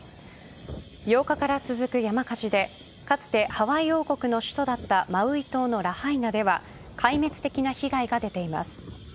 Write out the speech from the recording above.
８日から続く山火事でかつてハワイ王国の首都だったマウイ島のラハイナでは壊滅的な被害が出ています。